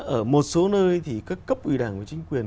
ở một số nơi thì các cấp ủy đảng và chính quyền